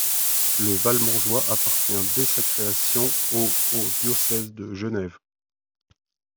Le val Montjoie appartient dés sa création au au diocèse de Genève.